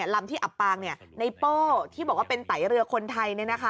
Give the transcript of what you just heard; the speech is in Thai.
ลำที่อับปางในโป้ที่บอกว่าเป็นไตเรือคนไทย